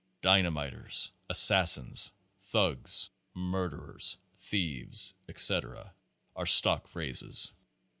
"Dynamiters, assassins, thugs, murderers, thieves," etc., are stock phrases.